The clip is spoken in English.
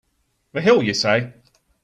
The hell you say!